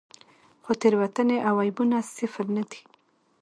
خو تېروتنې او عیبونه صفر نه دي.